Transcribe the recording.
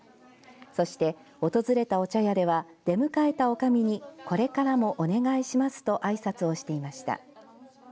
そして訪れたお茶屋では出迎えたおかみにこれからもお願いしますとあいさつをしていました。